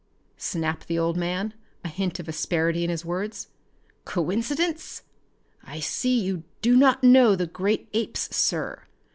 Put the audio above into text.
snapped the old man, a hint of asperity in his words. "Coincidence? I see you do not know the great apes, sir.